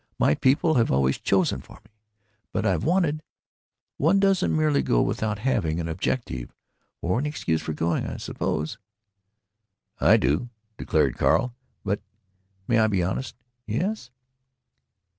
My people have always chosen for me. But I've wanted——One doesn't merely go without having an objective, or an excuse for going, I suppose." "I do," declared Carl. "But——May I be honest?" "Yes."